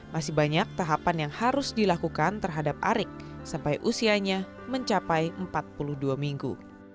masih banyak tahapan yang harus dilakukan terhadap arik sampai usianya mencapai empat puluh dua minggu